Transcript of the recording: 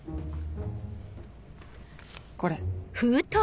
これ。